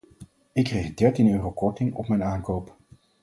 Ik kreeg dertien euro korting op mijn aankoop.